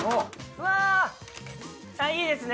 うわぁいいですね。